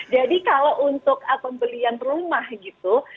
jadi kalau untuk pembelian rumah gitu